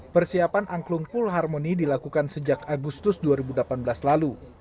persiapan angklung pour la harmonie dilakukan sejak agustus dua ribu delapan belas lalu